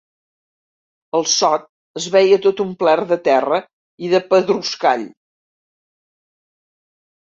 El sot es veia tot omplert de terra i de pedruscall.